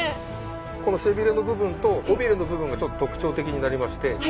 この背びれの部分と尾びれの部分がちょっと特徴的になりまして。